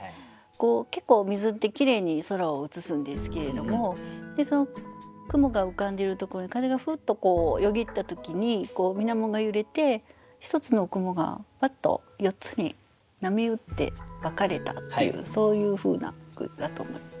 結構水ってきれいに空を映すんですけれども雲が浮かんでいるところに風がふっとよぎった時にみなもが揺れて一つの雲がパッと４つに波打って分かれたっていうそういうふうな句だと思います。